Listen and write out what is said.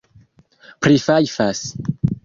prifajfas